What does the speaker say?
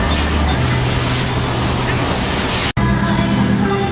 สุดท้ายสุดท้ายสุดท้าย